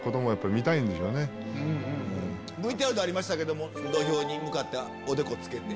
ＶＴＲでありましたけども土俵に向かっておでこつけて。